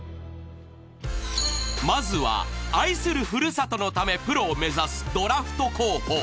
まずは愛するふるさとのため、プロを目指すドラフト候補。